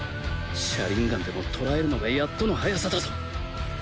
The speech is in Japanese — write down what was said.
写輪眼でも捉えるのがやっとの速さだぞ